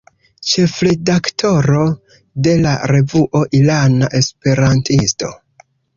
Ĉefredaktoro de la revuo "Irana Esperantisto".